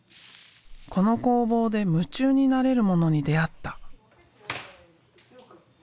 この工房で夢中になれるものに出会った。